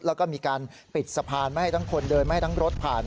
แล้วก็มีการปิดสะพานไม่ให้ทั้งคนเดินไม่ให้ทั้งรถผ่าน